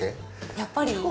やっぱり？